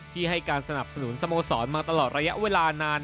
ที่ให้การสนับสนุนสโมสรมาตลอดระยะเวลานาน